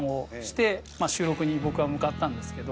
収録に僕は向かったんですけど。